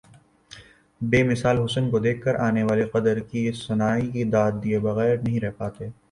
بے مثال حسن کو دیکھ کر آنے والے قدرت کی صناعی کی داد دئے بغیر نہیں رہ پاتے ۔